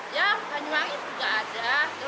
yang banyuwangi juga ada